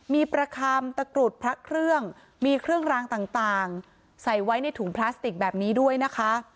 มีประคำตะกรุดพระเครื่องมีเครื่องรางต่างใส่ไว้ในถุงพลาสติกแบบนี้ด้วยนะคะ